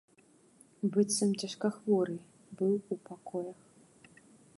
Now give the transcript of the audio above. Быццам цяжкахворы быў у пакоях.